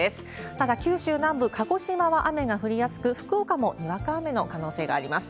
ただ、九州南部、鹿児島は雨が降りやすく、福岡もにわか雨の可能性があります。